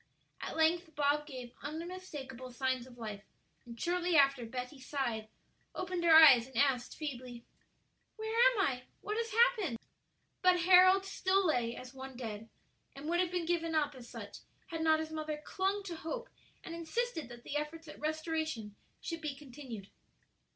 At length Bob gave unmistakable signs of life; and shortly after Betty sighed, opened her eyes, and asked, feebly, "Where am I? what has happened?" But Harold still lay as one dead, and would have been given up as such had not his mother clung to hope, and insisted that the efforts at restoration should be continued.